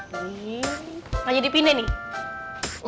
nih gak jadi pindah nih